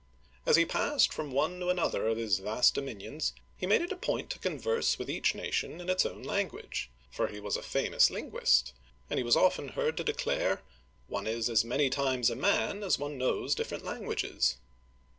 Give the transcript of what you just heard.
As he passed from one to another of his vast dominions, he made it a point to converse with each nation in its own language ; for he was a famous linguist, and he was often heard to declare, " One is as many times a man as one knows different languages